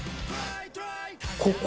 ここ？